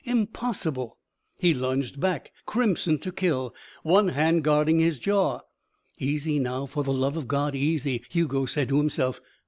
Impossible. He lunged back, crimson to kill, one hand guarding his jaw. "Easy, now, for the love of God, easy," Hugo said to himself.